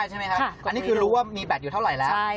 อันนี้รู้ว่ามีแบตอยู่เท่าไหร่ครับ